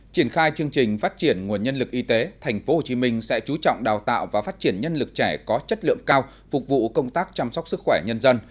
triển khai chương trình phát triển nguồn nhân lực y tế thành phố hồ chí minh sẽ chú trọng đào tạo và phát triển nhân lực trẻ có chất lượng cao phục vụ công tác chăm sóc sức khỏe nhân dân